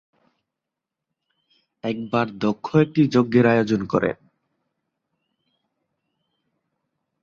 একবার দক্ষ একটি যজ্ঞের আয়োজন করেন।